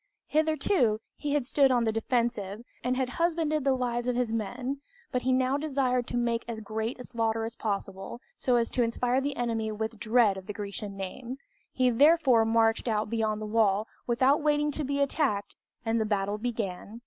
Hitherto, he had stood on the defensive, and had husbanded the lives of his men; but he now desired to make as great a slaughter as possible, so as to inspire the enemy with dread of the Grecian name. He therefore marched out beyond the wall, without waiting to be attacked, and the battle began.